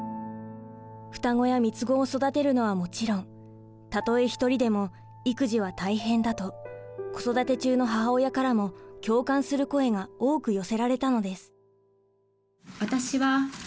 双子や三つ子を育てるのはもちろんたとえ一人でも育児は大変だと子育て中の母親からも共感する声が多く寄せられたのです。